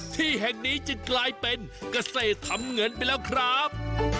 ที่แห่งนี้จึงกลายเป็นเกษตรทำเงินไปแล้วครับ